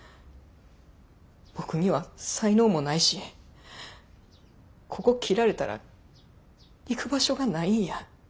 僕には才能もないしここ切られたら行く場所がないんや。